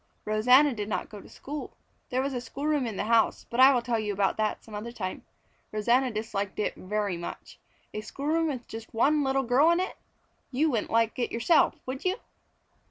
Rosanna did not go to school. There was a schoolroom in the house, but I will tell you about that some other time. Rosanna disliked it very much: a schoolroom with just one little girl in it! You wouldn't like it yourself, would you?